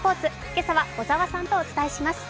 今朝は小沢さんとお伝えします。